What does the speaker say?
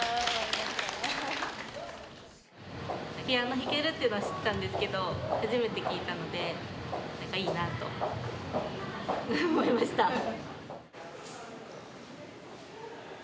ピアノ弾けるっていうのは知ってたんですけど初めて聴いたので何かいいなと思いました。